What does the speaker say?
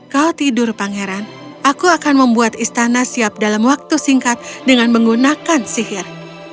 kau tidur pangeran aku akan membuat istana siap dalam waktu singkat dengan menggunakan sihir